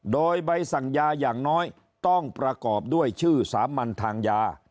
โดยใบสั่งยาอย่างน้อยต้องประกอบด้วยชื่อสามัญทางยา